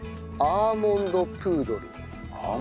アーモンドプードル？